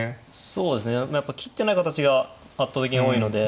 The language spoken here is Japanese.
そうですねやっぱ切ってない形が圧倒的に多いので。